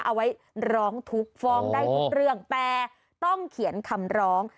เอาไว้ร้องทุกข์ฟ้องได้ทุกเรื่องแต่ต้องเขียนคำร้อง